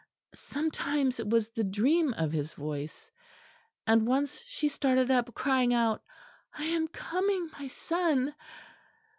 Sometimes it was the dream of his voice; and once she started up crying out, "I am coming, my son."